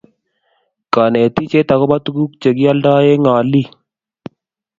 Konetisiet agobo tuguk che kialdoi eng olik